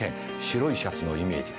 白いシャツのイメージ。